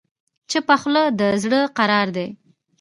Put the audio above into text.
چپه خوله، د زړه قرار دی.